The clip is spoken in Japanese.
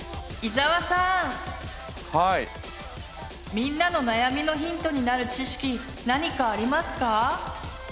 みんなの悩みのヒントになる知識何かありますか？